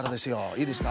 いいですか？